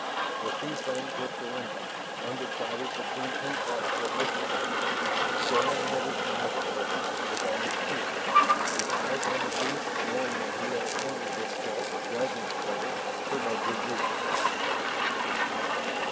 The sea thing whipped around, undecided between two possible victims. Shann had his knife free, was on his feet, his eyes on the beast's, knowing that he had appointed himself dragon slayer for no good reason.